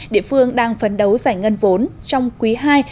địa phương đang phấn đấu giải ngân vốn trong quý ii